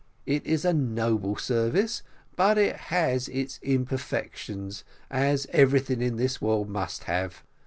It is a noble service, but has its imperfections, as everything in this world must have.